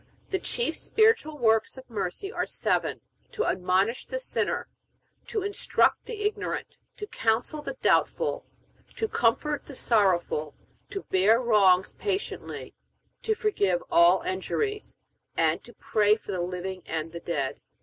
The chief spiritual works of mercy are seven: To admonish the sinner, to instruct the ignorant, to counsel the doubtful, to comfort the sorrowful, to bear wrongs patiently, to forgive all injuries, and to pray for the living and the dead.